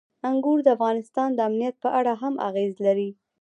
انګور د افغانستان د امنیت په اړه هم اغېز لري.